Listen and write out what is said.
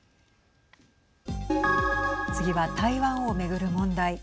次は台湾を巡る問題。